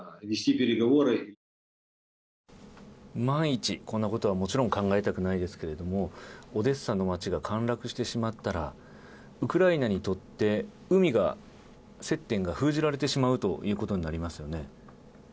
万一、こんなことはもちろん考えたくないですけれどもオデッサの街が陥落してしまったらウクライナにとって海が、接点が封じられてしまうということになりますよね。